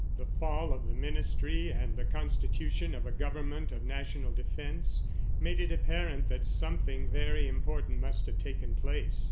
The fall of the ministry and the constitution of a government of national defense made it apparent that something very important must have taken place.